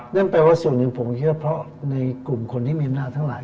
นั่นแปลว่าส่วนหนึ่งผมเชื่อเพราะในกลุ่มคนที่มีอำนาจทั้งหลาย